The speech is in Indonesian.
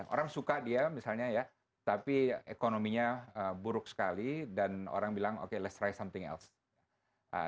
orang suka dia misalnya ya tapi ekonominya buruk sekali dan orang bilang okay let's try something else